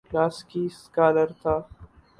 کلاسیکی سکالر تھا۔